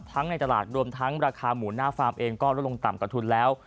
ในตลาดรวมทั้งราคาหมูหน้าฟาร์มเองก็ลดลงต่ำกว่าทุนแล้ว